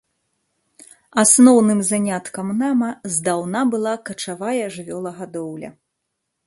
Асноўным заняткам нама здаўна была качавая жывёлагадоўля.